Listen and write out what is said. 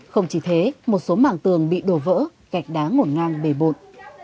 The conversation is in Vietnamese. không chỉ thế một số mảng tường bị đổ vỡ gạch đá ngổn ngang bề bộn